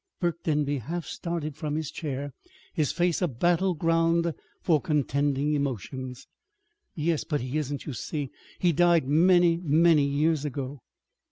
Burke Denby half started from his chair, his face a battle ground for contending emotions. "Yes. But he isn't, you see. He died many, many years ago."